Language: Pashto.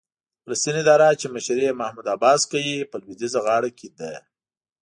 د فلسطین اداره چې مشري یې محمود عباس کوي، په لوېدیځه غاړه کې ده.